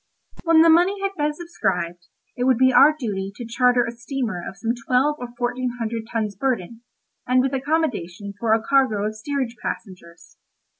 When the money had been subscribed, it would be our duty to charter a steamer of some twelve or fourteen hundred tons burden, and with accommodation for a cargo of steerage passengers.